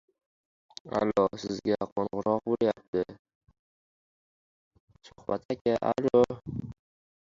• Mayli o‘yna, lekin ishni tashlab qo‘yma.